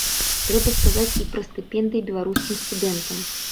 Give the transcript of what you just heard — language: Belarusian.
Трэба сказаць і пра стыпендыі беларускім студэнтам.